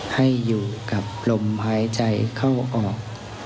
ให้อยู่กับลมหายใจเข้าออก